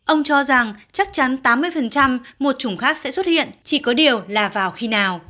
ông cho rằng chắc chắn tám mươi một chủng khác sẽ xuất hiện chỉ có điều là vào khi nào